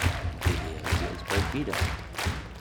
Beehren Sie uns bald wieder!